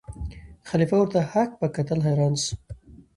خلیفه ورته هک پک کتل حیران سو